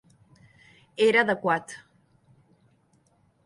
Era adequat.